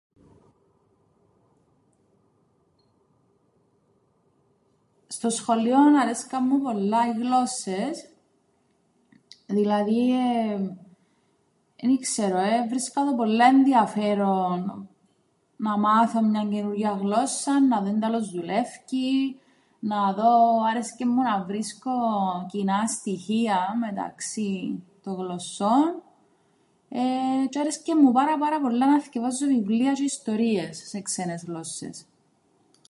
Στο σχολείον αρέσκαν μου πολλά οι γλώσσες δηλαδή εν ι-ξέρω έβρισκα το πολλά ενδιαφέρον να μάθω μιαν καινούργιαν γλώσσαν, να δω ίνταλος δουλεύκει, να δω, άρεσκεν μου να βρίσκω κοινά στοιχεία μεταξύ των γλωσσών, εεε τζ̆αι άρεσκεν μου πάρα πάρα πολλά να θκιαβάζω βιβλία τζ̆αι ιστορίες σε ξένες γλώσσες.